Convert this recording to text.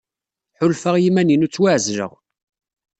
Ḥulfaɣ i yiman-inu ttwaɛezleɣ.